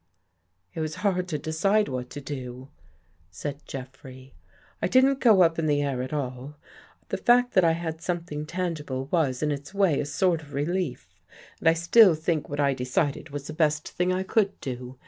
"" It was hard to decide what to do," said Jeffrey. " I didn't go up in the air at all. The fact that I had something tangible was, in its way, a sort of re lief. And I still think what I decided was the best thing I could do.